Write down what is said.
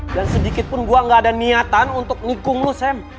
dan sedikit pun gue gak ada niatan untuk ngikung lo sam